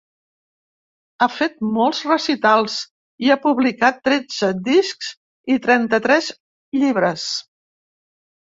Ha fet molts recitals i ha publicat tretze discs i trenta-tres llibres.